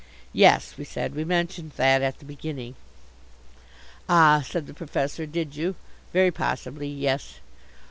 "Yes," we said, "we mentioned that at the beginning." "Ah," said the Professor, "did you? Very possibly. Yes."